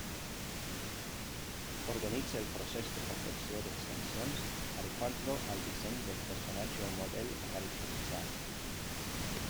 Organitza el procés de confecció d'extensions adequant-lo al disseny del personatge o model a caracteritzar.